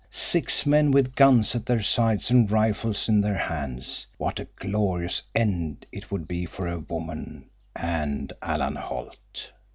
Six men with guns at their sides and rifles in their hands. What a glorious end it would be, for a woman—and Alan Holt!